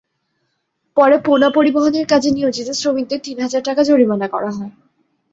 পরে পোনা পরিবহনের কাজে নিয়োজিত শ্রমিকদের তিন হাজার টাকা জরিমানা করা হয়।